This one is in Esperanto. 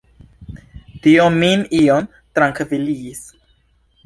Tio min iom trankviligis.